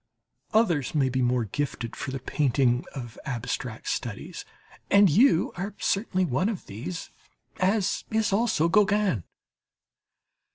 Others may be more gifted for the painting of abstract studies, and you are certainly one of these, as is also Gauguin.